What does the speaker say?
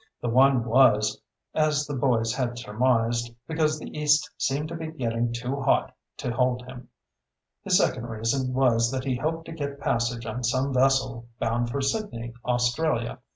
The one was, as the boys had surmised, because the East seemed to be getting too hot to hold him. His second reason was that he hoped to get passage on some vessel bound for Sydney, Australia.